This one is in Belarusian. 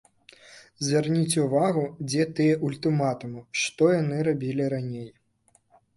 Звярніце ўвагу, дзе тыя ультыматумы, што яны рабілі раней.